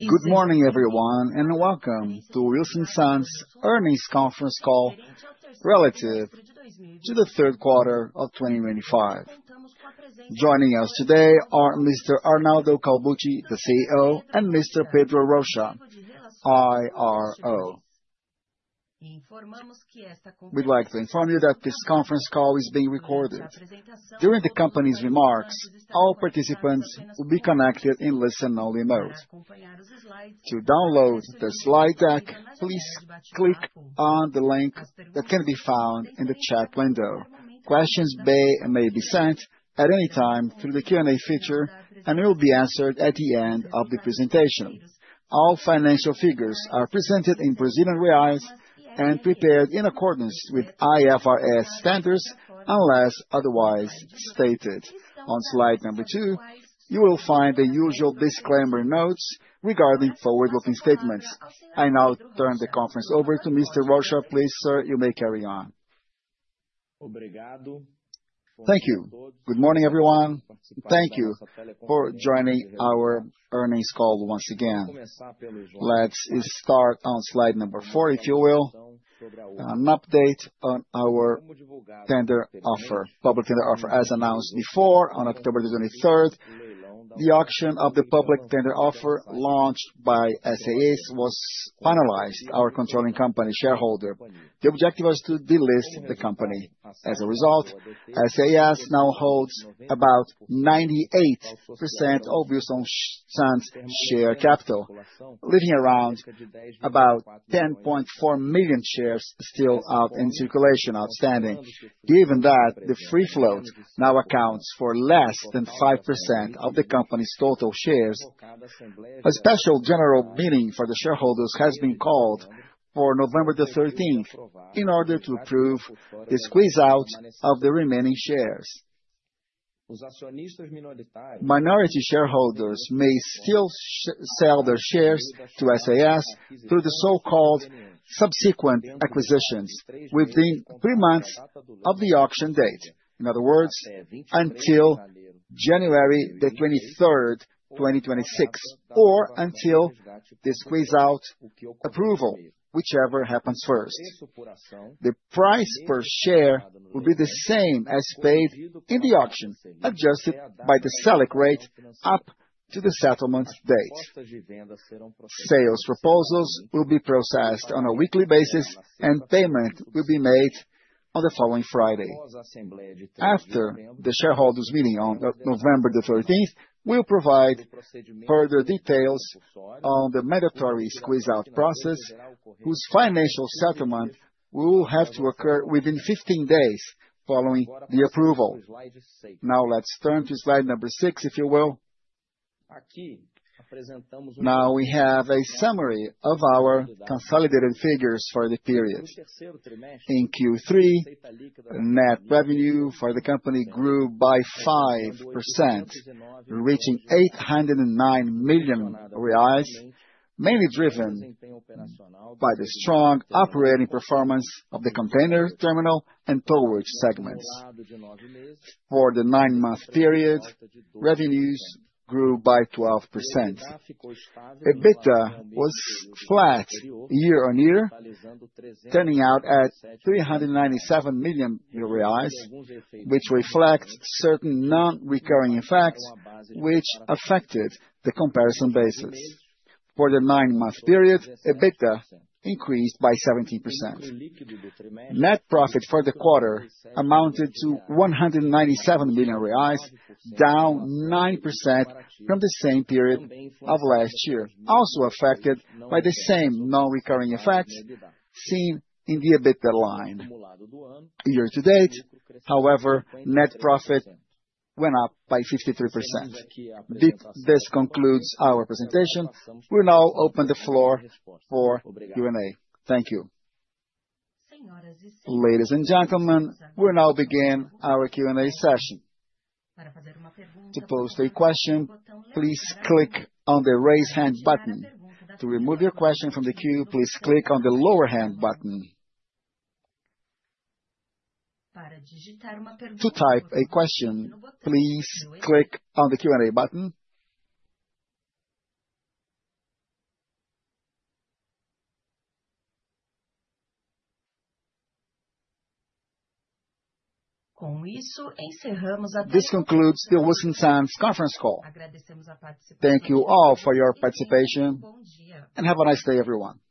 Good morning, everyone, and welcome to Wilson Sons' earnings conference call relative to the third quarter of 2025. Joining us today are Mr. Arnaldo Calbucci, the CEO, and Mr. Pedro Rocha, IRO. We'd like to inform you that this conference call is being recorded. During the company's remarks, all participants will be connected in listen-only mode. To download the slide deck, please click on the link that can be found in the chat window. Questions may be sent at any time through the Q&A feature, and they will be answered at the end of the presentation. All financial figures are presented in Brazilian reais and prepared in accordance with IFRS standards unless otherwise stated. On slide number two, you will find the usual disclaimer notes regarding forward-looking statements. I now turn the conference over to Mr. Rache. Please, sir, you may carry on. Thank you. Good morning, everyone. Thank you for joining our earnings call once again. Let's start on slide number four, if you will, an update on our public tender offer. Public tender offer, as announced before on October the 23rd, the auction of the public tender offer launched by SAS was finalized. Our controlling company shareholder, the objective was to delist the company. As a result, SAS now holds about 98% of Wilson Sons' share capital, leaving around about 10.4 million shares still out in circulation, outstanding. Given that the free float now accounts for less than 5% of the company's total shares, a special general meeting for the shareholders has been called for November the 13th in order to approve the squeeze-out of the remaining shares. Minority shareholders may still sell their shares to SAS through the so-called subsequent acquisitions within three months of the auction date, in other words, until January the 23rd, 2026, or until the squeeze-out approval, whichever happens first. The price per share will be the same as paid in the auction, adjusted by the Selic rate up to the settlement date. Sales proposals will be processed on a weekly basis, and payment will be made on the following Friday. After the shareholders' meeting on November the 13th, we'll provide further details on the mandatory squeeze-out process, whose financial settlement will have to occur within 15 days following the approval. Now let's turn to slide number six, if you will. Now we have a summary of our consolidated figures for the period. In Q3, net revenue for the company grew by 5%, reaching 809 million reais, mainly driven by the strong operating performance of the container terminal and towage segments. For the nine-month period, revenues grew by 12%. EBITDA was flat year on year, turning out at BRL 397 million, which reflects certain non-recurring effects which affected the comparison basis. For the nine-month period, EBITDA increased by 17%. Net profit for the quarter amounted to 197 million reais, down 9% from the same period of last year, also affected by the same non-recurring effects seen in the EBITDA line. Year to date, however, net profit went up by 53%. This concludes our presentation. We now open the floor for Q&A. Thank you. Ladies and gentlemen, we now begin our Q&A session. To post a question, please click on the raise hand button. To remove your question from the queue, please click on the lower hand button. To type a question, please click on the Q&A button. This concludes the Wilson Sons' conference call. Thank you all for your participation, and have a nice day, everyone. Thank you.